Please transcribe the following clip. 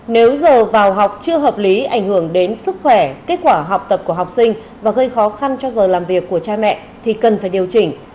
nếu giờ vào học chưa hợp lý ảnh hưởng đến sức khỏe kết quả học tập của học sinh và gây khó khăn cho giờ làm việc của cha mẹ thì cần phải điều chỉnh